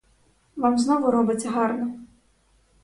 Вам знову робиться гарно.